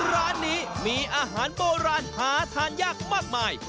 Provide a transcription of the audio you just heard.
ร้านนี้มีอาหารโบราณหาทานยากมากมาย